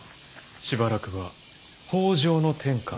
しばらくは北条の天下。